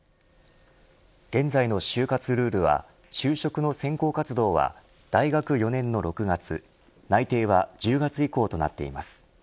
現在の就活ルールは就職の選考活動は大学４年の６月内定は１０月以降となっています。